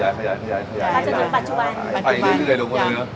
จากจนทั้งปัจจุบัน